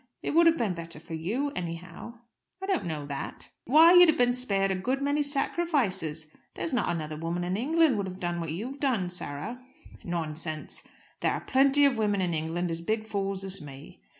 It would have been better for you, anyhow." "I don't know that." "Why, you'd have been spared a good many sacrifices. There's not another woman in England would have done what you've done, Sarah." "Nonsense; there are plenty of women in England as big fools as me.